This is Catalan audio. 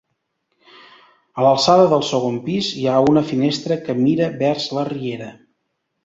A l'alçada del segon pis hi ha una finestra que mira vers la riera.